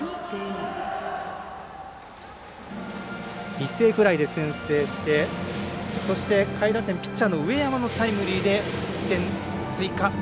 犠牲フライで先制してそして、下位打線ピッチャーの上山のタイムリーで１点追加。